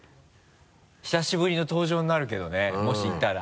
久しぶりの登場になるけどねもしいたら。